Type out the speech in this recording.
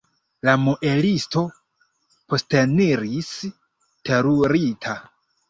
La muelisto posteniris terurita.